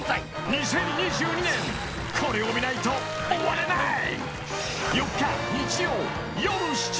［２０２２年これを見ないと終われない］